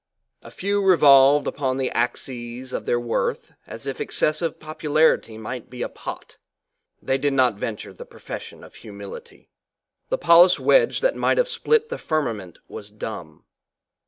A few revolved upon the axes of their worth as if excessive popularity might be a pot; they did not venture the profession of humility. The polished wedge that might have split the firmament was dumb.